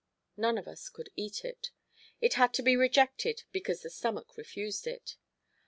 None of us could eat it. It had to be rejected because the stomach refused it.